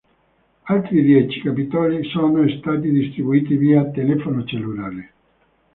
Altri dieci capitoli sono stati distribuiti via telefono cellulare.